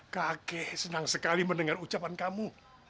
kakek senang sekali mendengar ucapan kamu